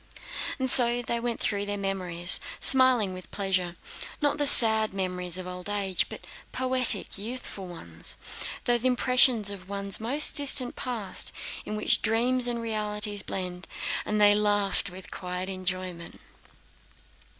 So they went through their memories, smiling with pleasure: not the sad memories of old age, but poetic, youthful ones—those impressions of one's most distant past in which dreams and realities blend—and they laughed with quiet enjoyment.